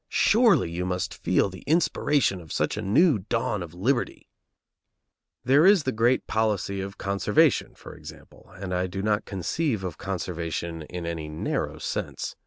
Surely, you must feel the inspiration of such a new dawn of liberty! There is the great policy of conservation, for example; and I do not conceive of conservation in any narrow sense.